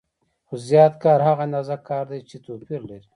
خو زیات کار هغه اندازه کار دی چې توپیر لري